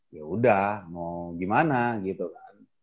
ya udah mau gimana gitu kan